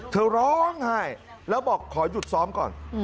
เธอร้องไห้แล้วบอกขอหยุดซ้อมก่อน